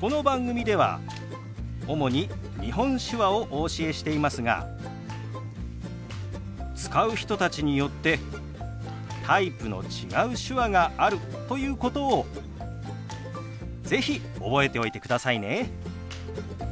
この番組では主に日本手話をお教えしていますが使う人たちによってタイプの違う手話があるということを是非覚えておいてくださいね。